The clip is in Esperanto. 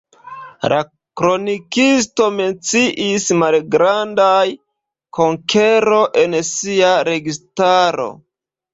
La kronikisto menciis malgrandaj konkero en sia registaro.